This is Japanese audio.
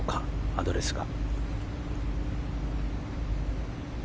アドレスが。